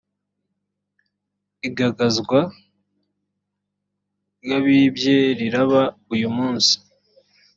igagazwa ryabibye riraba uyumunsi.